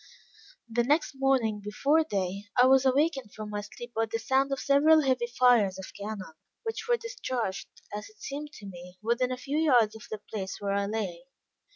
The next morning, before day, I was awakened from my sleep by the sound of several heavy fires of cannon, which were discharged, as it seemed to me, within a few yards of the place where I lay.